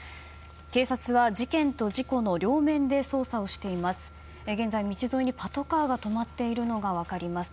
警察は事件と事故の両面で捜査をしています。